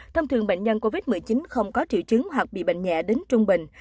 thông thường bệnh nhân covid một mươi chín không có triệu chứng hoặc bị bệnh nhẹ đến trung bình